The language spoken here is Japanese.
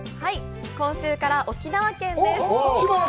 今週から沖縄県です。